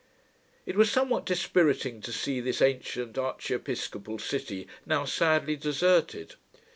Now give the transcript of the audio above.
It was somewhat dispiriting, to see this ancient archiepiscopal city now sadly deserted.